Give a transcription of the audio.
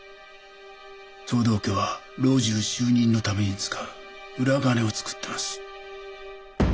藤堂家は老中就任のために使う裏金を作ってます。